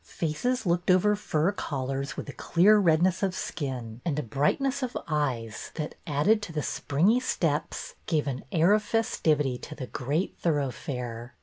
Faces looked over fur collars with a clear redness of skin and a brightness of eyes that, added to the springy steps, gave an air of festivity to the great thoroughfare.